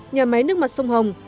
nhà máy nước mặt sông hồng